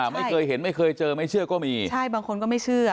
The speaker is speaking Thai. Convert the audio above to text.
ไม่เคยเห็นไม่เคยเจอไม่เชื่อก็มีใช่บางคนก็ไม่เชื่อ